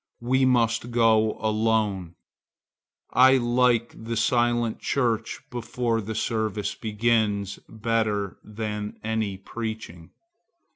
We must go alone. I like the silent church before the service begins, better than any preaching.